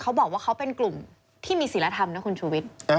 เขาบอกว่าเขาเป็นกลุ่มที่มีศิลธรรมนะคุณชูวิทย์